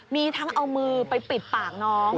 มีทั้งเอามือไปปิดปากน้อง